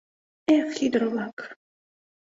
Эх, ӱдыр-влак!